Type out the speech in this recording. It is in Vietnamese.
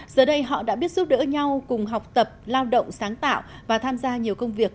giờ đây họ đã biết giúp đỡ nhau cùng học tập lao động sáng tạo và tham gia nhiều công việc